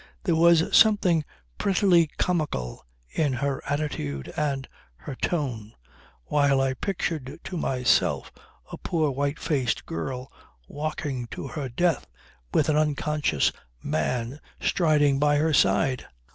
There was something prettily comical in her attitude and her tone, while I pictured to myself a poor white faced girl walking to her death with an unconscious man striding by her side.